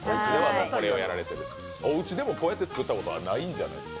おうちでもこうやって作ったことはないんじゃない？